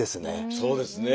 そうですね。